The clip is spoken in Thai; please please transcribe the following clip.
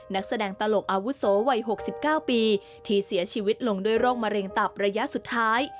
นักแสดงตลกอาวุโสวัย๖๙ปีที่เสียชีวิตลงด้วยโรคมะเร็งตับระยะสุดท้าย